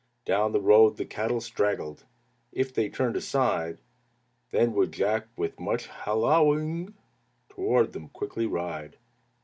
Down the road the cattle straggled; If they turned aside, Then would Jack with much halloaing Toward them quickly ride.